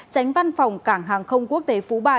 tránh văn phòng cảng hàng không quốc tế phú bài